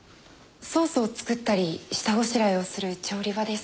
ソースを作ったり下ごしらえをする調理場です。